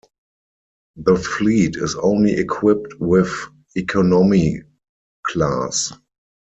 The fleet is only equipped with economy class.